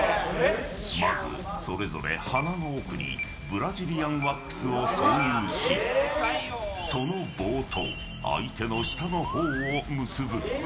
まず、それぞれ鼻の奥にブラジリアンワックスを挿入しその棒と相手の下の方を結ぶ。